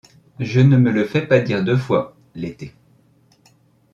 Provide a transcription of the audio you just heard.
Je ne me le fais pas dire deux fois, l'été